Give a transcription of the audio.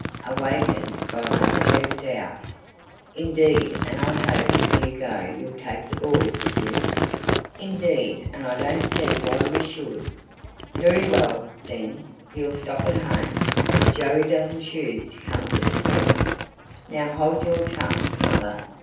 Awakened, Godmother jerked out: "Indeed and I hope if you go you'll take the boys with you!" "Indeed and I don't see why we should!" "Very well, then, you'll stop at home. If Joey doesn't choose to come to the point " "Now hold your tongue, mother!"